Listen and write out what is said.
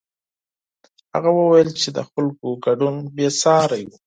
هغه وویل چې د خلکو ګډون بېساری و.